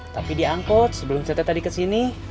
tapi diangkut sebelum saya tadi ke sini